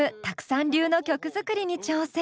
Ｔａｋｕさん流の曲作りに挑戦！